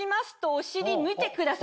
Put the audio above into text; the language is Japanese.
お尻見てください。